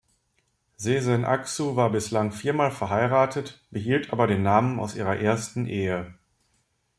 Sezen Aksu war bislang viermal verheiratet, behielt aber den Namen aus ihrer ersten Ehe.